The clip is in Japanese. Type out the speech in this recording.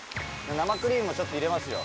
生クリームをちょっと入れますよ。